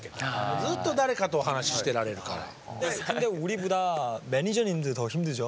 ずっと誰かとお話ししてられるから。